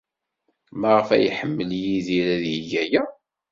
Maɣef ay iḥemmel Yidir ad yeg aya?